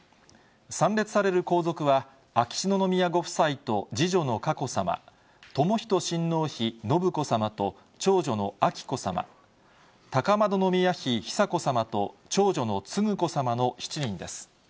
参列される皇族は、秋篠宮ご夫妻と次女の佳子さま、とも仁親王妃信子さまと長女の彬子さま、高円宮妃久子さまと長女の承子さまの７人です。